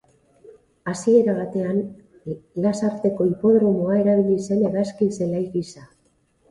Hasiera batean, Lasarteko hipodromoa erabili zen hegazkin-zelai gisa.